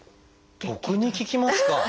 僕に聞きますか？